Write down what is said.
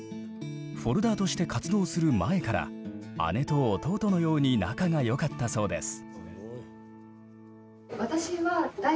Ｆｏｌｄｅｒとして活動する前から姉と弟のように仲がよかったそうです。